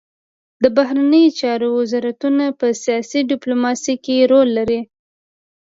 د بهرنیو چارو وزارتونه په سیاسي ډیپلوماسي کې رول لري